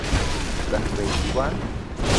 بە خوێی توانج